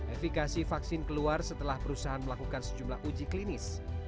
efekasi vaksin keluar setelah perusahaan melakukan sejumlah uji klinis